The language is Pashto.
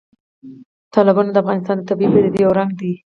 تالابونه د افغانستان د طبیعي پدیدو یو رنګ دی.